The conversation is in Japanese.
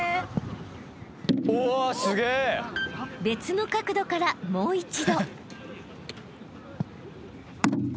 ［別の角度からもう一度］